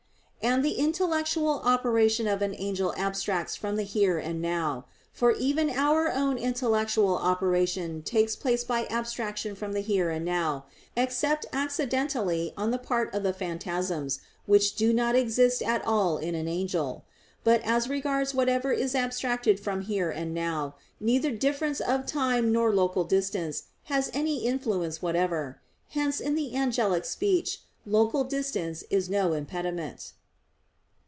And the intellectual operation of an angel abstracts from the "here and now." For even our own intellectual operation takes place by abstraction from the "here and now," except accidentally on the part of the phantasms, which do not exist at all in an angel. But as regards whatever is abstracted from "here and now," neither difference of time nor local distance has any influence whatever. Hence in the angelic speech local distance is no impediment.